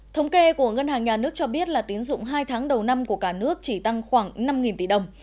thống kê của ngân hàng nhà nước cho biết là tín dụng hai tháng đầu năm của cả nước chỉ tăng khoảng năm tỷ đồng